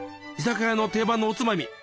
居酒屋の定番のおつまみ。